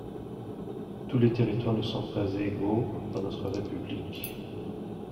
Tous les territoires ne sont pas égaux dans notre République.